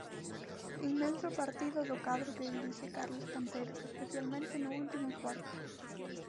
Inmenso partido do cadro que dirixe Carlos Cantero especialmente no último cuarto.